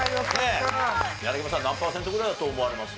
柳葉さん何パーセントぐらいだと思われます？